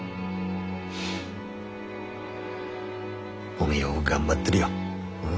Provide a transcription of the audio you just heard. おめえは頑張ってるよ。